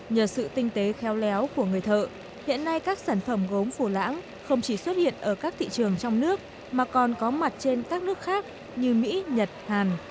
nhờ sự tinh tế khéo léo của người thợ hiện nay các sản phẩm gốm phủ lãng không chỉ xuất hiện ở các thị trường trong nước mà còn có mặt trên các nước khác như mỹ nhật hàn